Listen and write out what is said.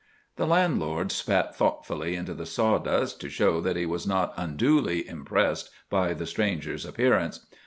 The landlord spat thoughtfully into the sawdust, to show that he was not unduly impressed by the stranger's appearance.